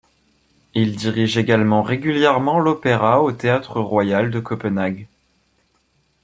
Il dirige également régulièrement l'opéra au Théâtre royal de Copenhague.